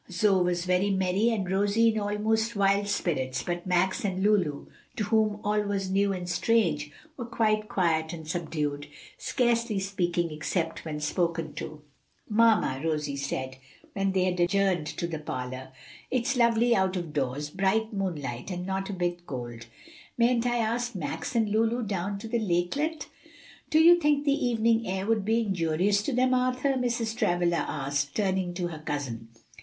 Zoe was very merry and Rosie in almost wild spirits, but Max and Lulu, to whom all was new and strange, were quite quiet and subdued, scarcely speaking except when spoken to, "Mamma," Rosie said, when they had adjourned to the parlor, "it's lovely out of doors, bright moonlight and not a bit cold; mayn't I take Max and Lulu down to the lakelet?" "Do you think the evening air would be injurious to them, Arthur?" Mrs. Travilla asked, turning to her cousin.